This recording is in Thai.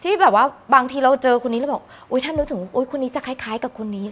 ที่แบบว่าบางทีเราเจอคนนี้แล้วบอกอุ๊ยถ้านึกถึงคนนี้จะคล้ายกับคนนี้